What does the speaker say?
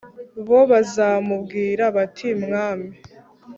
bo bazamubwira bati Mwami